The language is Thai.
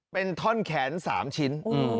เป็นท่อนแขน๓ชิ้น